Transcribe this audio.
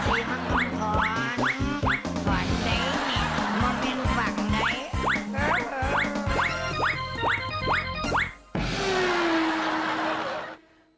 หวังไหนหวังไหนหวังไหน